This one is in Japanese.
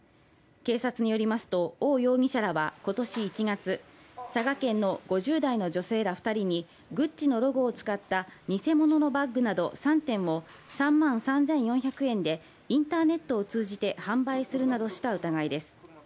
警察によりますとオウ容疑者らは今年１月、佐賀県の５０代の女性ら２人にグッチのロゴを使ったニセ物のバッグなど３点を３万３４００円でインターネットを通じて販売するなどした疑いです。